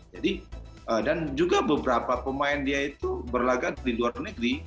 jadi dan juga beberapa pemain dia itu berlagak di luar negeri